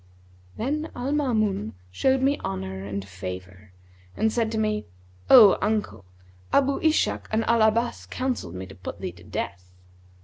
Then Al Maamun showed me honour and favour and said to me, 'O uncle, Abu Ishak and Al Abbas counselled me to put thee to death.'